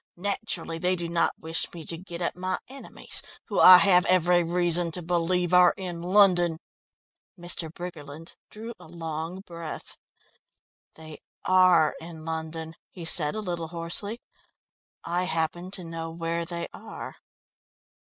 Naturally, they do not wish me to get at my enemies, who I have every reason to believe are in London." Mr. Briggerland drew a long breath. "They are in London," he said a little hoarsely. "I happen to know where they are."